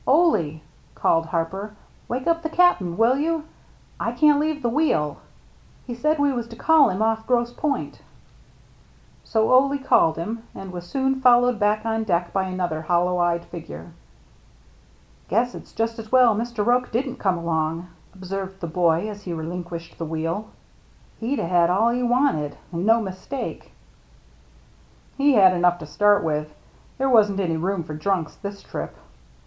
" Ole," called Harper, " wake up the Cap'n, will you ? I can't leave the wheel. He said we was to call him ofF Grosse Pointe." So Ole called him, and was soon followed back on deck by another hollow eyed figure. "Guess it's just as well Mr. Roche didn't DICK AND HIS MERRT ANNE 31 come along," observed the boy, as he relin quished the wheel. ^^Hed V had all he wanted, and no mistake." "He had enough to start with. There wasn't any room for drunks this trip."